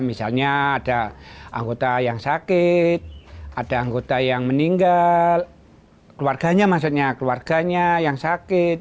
misalnya ada anggota yang sakit ada anggota yang meninggal keluarganya maksudnya keluarganya yang sakit